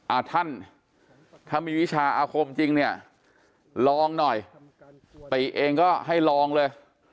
อ่าท่านถ้ามีวิชาอาคมจริงเนี่ยลองหน่อยติเองก็ให้ลองเลย